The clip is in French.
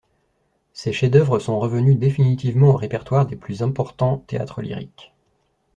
Ses chefs-d'œuvre sont revenus définitivement au répertoire des plus importants théâtres lyriques.